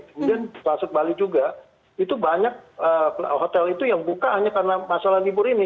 kemudian masuk bali juga itu banyak hotel itu yang buka hanya karena masalah libur ini